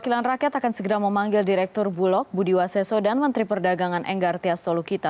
ketua dpr bambang susatyo segera memanggil direktur bulog budi waseso dan menteri perdagangan enggar tiaz tolu kita